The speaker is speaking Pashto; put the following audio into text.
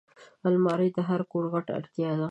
الماري د هر کور غټه اړتیا ده